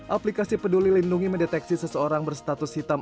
aplikasi peduli lindungi mendeteksi seseorang berstatus hitam